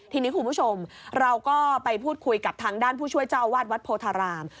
ทีนี้คุณผู้ชมเราก็ไปพูดคุยกับทางด้านผู้ช่วยเจ้าอาวาสวัดโพธาราม